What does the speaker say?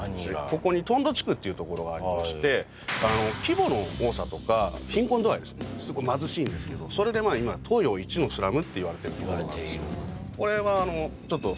ここにトンド地区っていう所がありまして規模の大きさとか貧困度合いですねすごい貧しいんですけどそれで今東洋一のスラムっていわれてる所なんですけどね